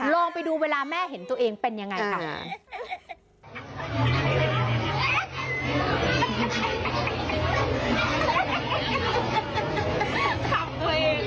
ลองไปดูเวลาแม่เห็นตัวเองเป็นยังไงค่ะ